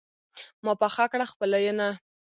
ما پخه کړه خپله ينه